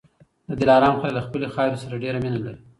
د دلارام خلک له خپلي خاورې سره ډېره مینه لري.